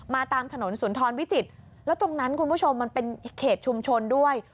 ตามถนนสุนทรวิจิตรแล้วตรงนั้นคุณผู้ชมมันเป็นเขตชุมชนด้วย